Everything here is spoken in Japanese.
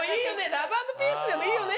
ラブ＆ピースでもいいよね？